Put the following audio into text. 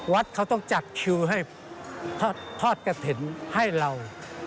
วัดเขาต้องจัดคิวให้ทอดกระถิ่นให้เรา